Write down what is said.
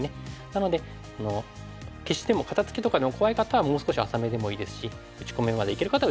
なので消しでも肩ツキとかでも怖い方はもう少し浅めでもいいですし打ち込みまでいける方は打ち込み。